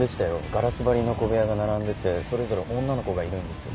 ガラス張りの小部屋が並んでてそれぞれ女の子がいるんです。